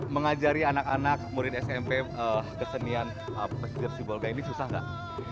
mengajari anak anak murid smp kesenian pesisir sibolga ini susah nggak